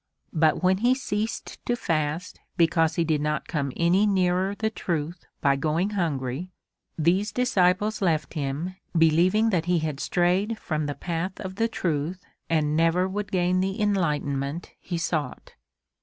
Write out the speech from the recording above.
But when he ceased to fast because he did not come any nearer the truth by going hungry, these disciples left him, believing that he had strayed from the path of the truth and never would gain the enlightenment he sought.